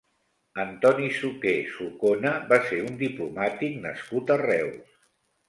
Antoni Suqué Sucona va ser un diplomàtic nascut a Reus.